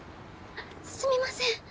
すみません